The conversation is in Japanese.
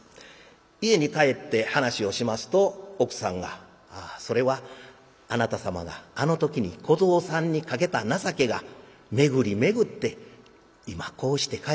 家に帰って話をしますと奥さんが「ああそれはあなた様があの時に小僧さんにかけた情けが巡り巡って今こうして返ってきたのでございます。